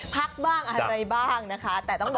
พักอะไรบ้างนะคะ